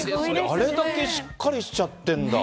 あれだけしっかりしちゃってんだ。